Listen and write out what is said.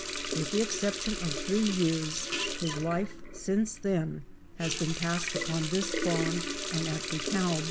With the exception of three years his life since then has been passed upon this farm and at DeKalb.